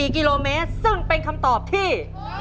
๔กิโลเมตรซึ่งเป็นคำตอบที่